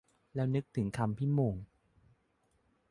แล้วนึกถึงคำพี่โหม่ง